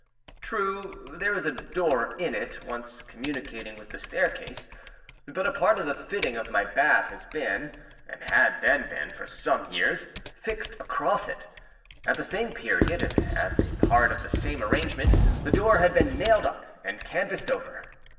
True, there is a door in it, once communicating with the staircase; but a part of the fitting of my bath has beenâand had then been for some yearsâfixed across it. At the same period, and as a part of the same arrangement, âthe door had been nailed up and canvased over.